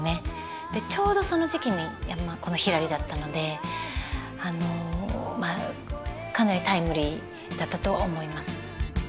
ちょうどその時期にこの「ひらり」だったのでかなりタイムリーだったと思います。